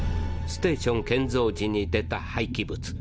ステーション建造時に出たはいき物。